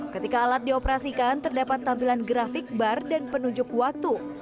ketika alat dioperasikan terdapat tampilan grafik bar dan penunjuk waktu